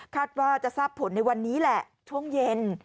ว่าจะทราบผลในวันนี้แหละช่วงเย็น